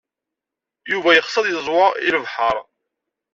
Yuba yexs ad yeẓwa l lebḥeṛ.